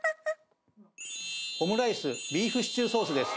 オムライスビーフシチューソースです。